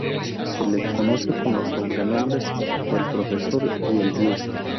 Se lo conoce con los sobrenombres de "El Profesor" y "El Diez".